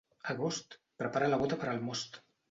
Agost, prepara la bota per al most.